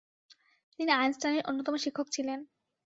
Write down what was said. তিনি আইনস্টাইনের অন্যতম শিক্ষক ছিলেন।